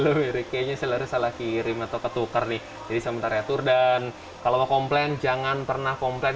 lalu barulah pembeli dapat melakukan unboxing paket